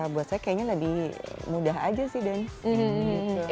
buat saya kayaknya lebih mudah aja sih dan